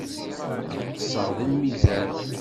Neqseɣ deg lmizan.